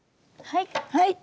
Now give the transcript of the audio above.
はい。